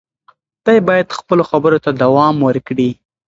دی باید خپلو خبرو ته دوام ورکړي.